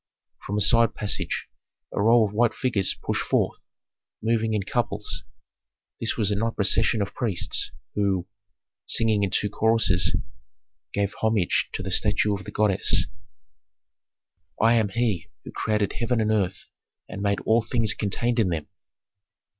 From a side passage a row of white figures pushed forth, moving in couples. This was a night procession of priests, who, singing in two choruses, gave homage to the statue of the goddess: Chorus I. "I am He who created heaven and earth and made all things contained in them."